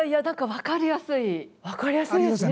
分かりやすいですね。